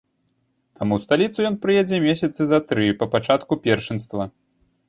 Таму ў сталіцу ён прыедзе месяцы за тры па пачатку першынства.